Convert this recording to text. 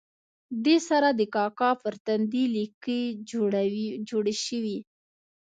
دې سره د کاکا پر تندي لیکې جوړې شوې.